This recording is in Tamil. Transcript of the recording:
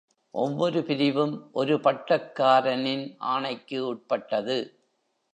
ஒவ்வொரு பிரிவும் ஒரு பட்டக்காரனின் ஆணைக்கு உட்பட்டது.